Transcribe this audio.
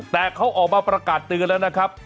แต่เขาออกมาประกาศเตือนแล้วนะครับ